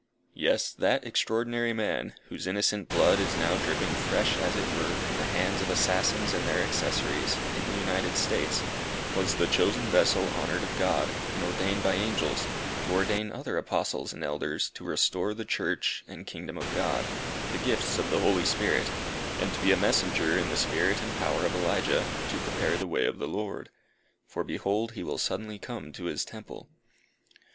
Yes, that extraordinary man, whose innocent blood is now dripping fresh, as it were, from the hands of assassins and their accessories, in the United States, was the chosen vessel honoured of God, and ordained by angels, to ordain other Apostles and Elders, to restore the Church and kingdom of God, the gifts of the Holy Spirit, and to be a messenger in the spirit and power of Elijah, to prepare the way of the Lord. "For, behold, he will suddenly come to his temple!"